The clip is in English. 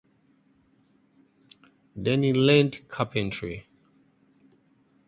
Then he learned carpentry.